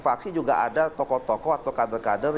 faksi juga ada tokoh tokoh atau kader kader